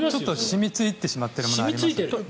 染みついてしまっている部分はありますよね。